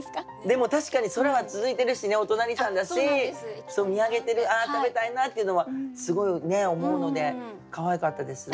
でも確かに空は続いてるしねお隣さんだし見上げてる「食べたいな」っていうのはすごい思うのでかわいかったです。